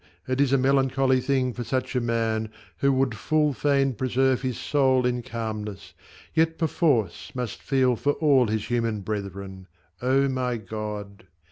it is a melancholy thing For such a man, who would full fain preserve His soul in calmness, yet perforce must feel For all his human brethren O my God